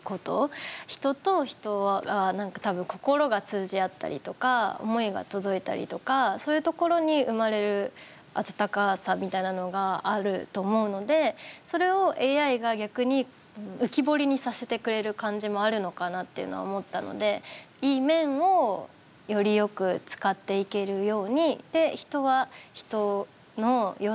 人と人は何か多分心が通じ合ったりとか思いが届いたりとかそういうところに生まれる温かさみたいなのがあると思うのでそれをＡＩが逆に浮き彫りにさせてくれる感じもあるのかなっていうのは思ったのでいい面をよりよく使っていけるように。